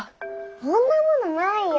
そんなものないよ。